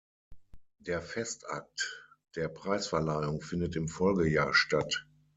Der Festakt der Preisverleihung findet im Folgejahr statt.